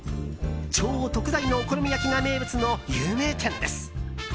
超特大のお好み焼きが名物の有名店です。